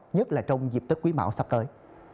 nhất là trong dịp tết quý mão sắp tới